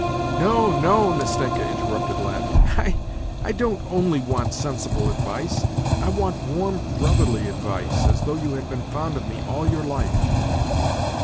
"No, no !" Nastenka interrupted, laughing. "I don't only want sensible advice, I want_warm brotherly advice, as though ,.^', you had been fond of me all your life